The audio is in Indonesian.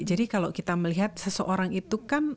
jadi kalau kita melihat seseorang itu kan